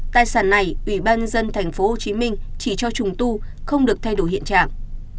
tài sản này ủy ban nhân dân tp hcm chỉ cho trùng tu không được thay đổi hiện trạng